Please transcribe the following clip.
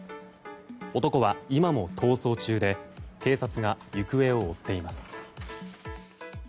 男は今も逃走中で警察が行方を追っています。